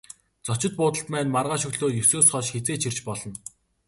Зочид буудалд маань маргааш өглөө есөөс хойш хэзээ ч ирж болно.